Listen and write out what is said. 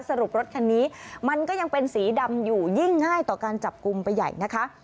รถคันนี้มันก็ยังเป็นสีดำอยู่ยิ่งง่ายต่อการจับกลุ่มไปใหญ่นะคะ